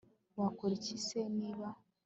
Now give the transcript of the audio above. wakora iki se niba